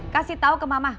kasih tahu ke mama